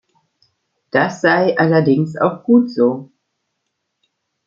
Das sei allerdings auch gut so.